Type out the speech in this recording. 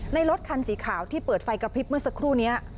รถคันสีขาวที่เปิดไฟกระพริบเมื่อสักครู่นี้